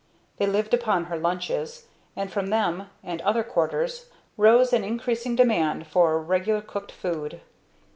They lived upon her lunches; and from them, and other quarters, rose an increasing demand for regular cooked food.